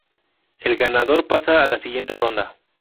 El ganador pasa a la siguiente ronda.